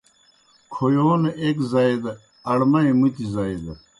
کھویون ایْک زائی، اڑمئی مُتیْ زائی دہ